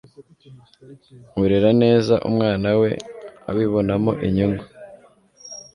urera neza umwana we abibonamo inyungu